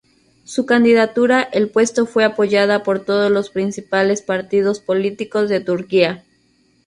Su candidatura el puesto fue apoyada por todos los principales partidos políticos de Turquía.